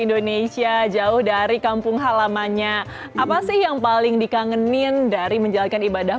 indonesia jauh dari kampung halamannya apa sih yang paling dikangenin dari menjalankan ibadah